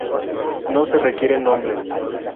No se requieren nombres